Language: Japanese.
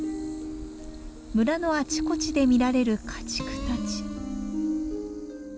村のあちこちで見られる家畜たち。